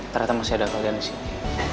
ternyata masih ada kalian disini